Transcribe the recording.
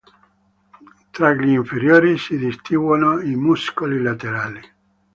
Tra gli inferiori si distinguono i "muscoli laterali".